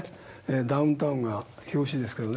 ダウンタウンが表紙ですけどね。